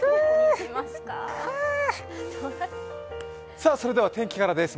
さあ、それでは天気からです。